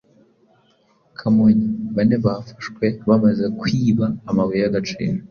Kamonyi: Bane bafashwe bamaze kwiba amabuye y’agaciro